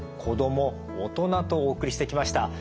子ども大人とお送りしてきました。